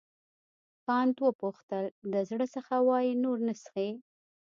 کانت وپوښتل د زړه څخه وایې نور نه څښې.